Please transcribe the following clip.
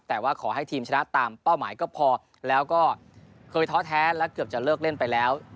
แต่ว่าขอให้ทีมชนะตามเป้าหมายก็พอแล้วก็เคยท้อแท้และเกือบจะเลิกเล่นไปแล้ว